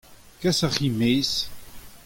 kas ar c'hi er-maez.